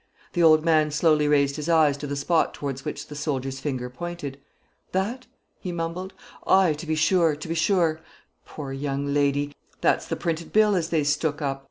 The old man slowly raised his eyes to the spot towards which the soldier's finger pointed. "That?" he mumbled. "Ay, to be sure, to be sure. Poor young lady! That's the printed bill as they stook oop.